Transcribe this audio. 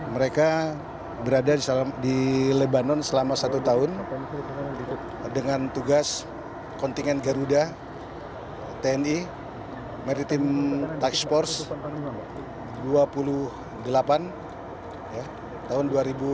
mereka berada di lebanon selama satu tahun dengan tugas kontingen garuda tni maritim tax force dua puluh delapan tahun dua ribu dua puluh